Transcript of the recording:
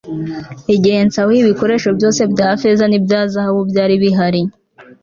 igihe nsahuye ibikoresho byose bya feza n'ibya zahabu byari bihari